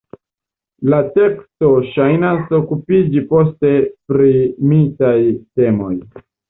La teksto ŝajnas okupiĝi poste pri mitaj temoj.